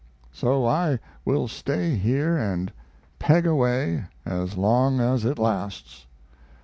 So I will stay here and peg away as long as it lasts.